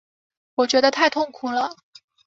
我觉得太痛苦了